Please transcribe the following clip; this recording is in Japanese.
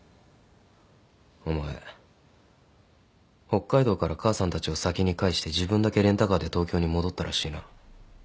北海道から母さんたちを先に帰して自分だけレンタカーで東京に戻ったらしいな。